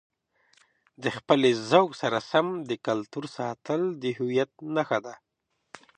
د خپلې ذوق سره سم د کلتور ساتل د هویت نښه ده.